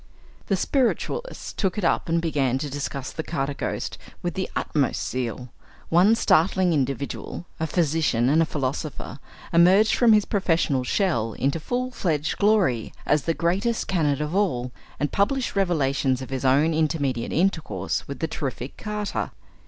The spiritualists took it up and began to discuss "the Carter Ghost" with the utmost zeal. One startling individual a physician and a philosopher emerged from his professional shell into full fledged glory, as the greatest canard of all, and published revelations of his own intermediate intercourse with the terrific "Carter."